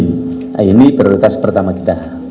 nah ini prioritas pertama kita